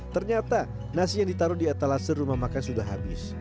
ternyata nasi yang ditaruh di etalase rumah makan sudah habis